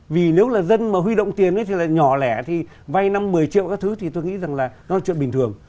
vì nếu là dân mà huy động tiền thì là nhỏ lẻ thì vay năm một mươi triệu các thứ thì tôi nghĩ rằng là nó chuyện bình thường